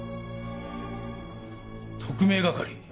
特命係。